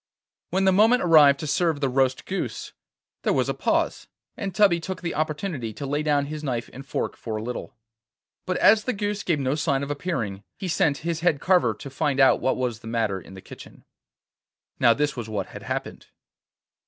When the moment arrived to serve the roast goose, there was a pause, and Tubby took the opportunity to lay down his knife and fork for a little. But as the goose gave no sign of appearing, he sent his head carver to find out what was the matter in the kitchen. Now this was what had happened.